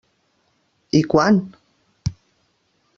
I quan?